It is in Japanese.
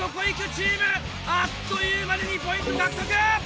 チームあっという間に２ポイント獲得！